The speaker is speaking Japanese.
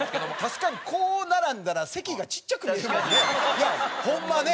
いやホンマね